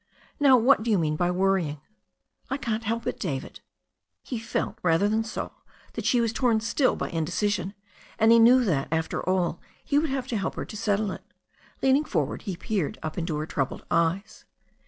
Now, what do you mean by worrying ?" "I can't help it, David." He felt rather than saw that she was torn still by inde cision, and he knew that, after all, he would have to help her to settle it. Leaning forward, he peered up into her troubled eyes.